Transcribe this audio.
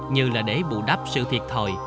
như là để bù đắp sự thiệt thòi